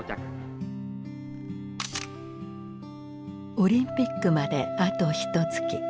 オリンピックまであとひとつき。